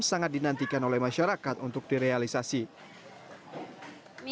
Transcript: sangat dinantikan oleh masyarakat untuk direalisasi